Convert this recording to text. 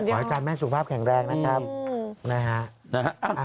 ขอให้จำแม่สุขภาพแข็งแรงนะครับ